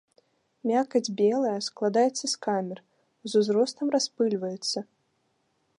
Мякаць белая, складаецца з камер, з узростам распыльваецца.